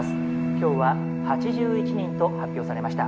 今日は８１人と発表されました」。